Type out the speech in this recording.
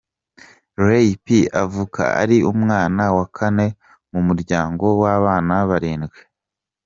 Ray P avuka ari umwana wa kane mu muryango w’abana barindwi.